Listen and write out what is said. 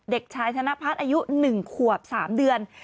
เด็กชายธนพัฒน์อายุ๑ขวบ๓เดือน